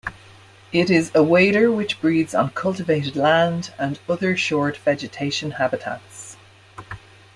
It is a wader which breeds on cultivated land and other short vegetation habitats.